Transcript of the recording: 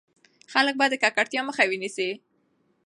خلک به د ککړتيا مخه ونيسي.